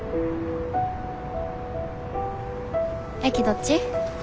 駅どっち？